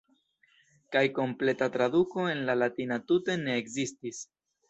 Kaj kompleta traduko en la Latina tute ne ekzistis.